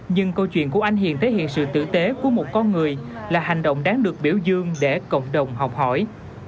nhưng câu chuyện của anh hiền thể hiện sự tử tế của một con người là hành động đáng được biểu dương để cộng đồng học hỏi